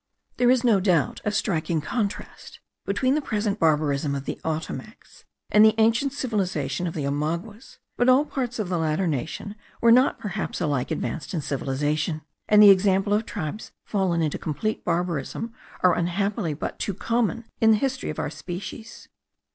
There is no doubt a striking contrast between the present barbarism of the Ottomacs and the ancient civilization of the Omaguas; but all parts of the latter nation were not perhaps alike advanced in civilization, and the example of tribes fallen into complete barbarism are unhappily but too common in the history of our species.